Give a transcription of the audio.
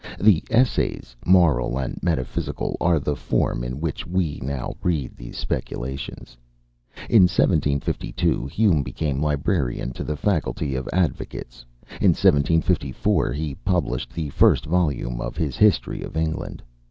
The "Essays, Moral and Metaphysical," are the form in which we now read these speculations. In 1752, Hume became librarian to the Faculty of Advocates. In 1754 he published the first volume of his "History of England."